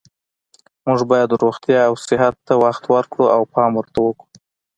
موږ باید روغتیا او صحت ته وخت ورکړو او پام ورته کړو